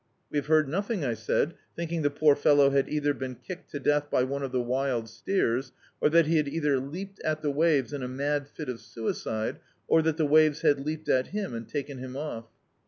"We have heard nothing," I said, thinking the poor fellow had either been kicked to death by one of the wild steers, or that he had either leaped at the waves in a mad fit of suicide, or that the waves had leaped at him and taken him off.